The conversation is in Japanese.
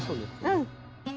うん。